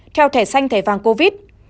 theo thẻ xanh thẻ vàng covid